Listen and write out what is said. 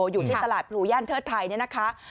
อยู่ที่ตลาดพลูย่านเทิดไทยเนี่ยนะคะ